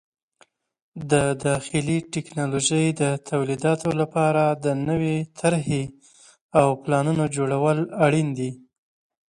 د داخلي ټکنالوژۍ د تولیداتو لپاره د نوې طرحې او پلانونو جوړول اړین دي.